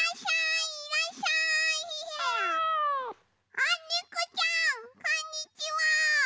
あっねこちゃんこんにちは。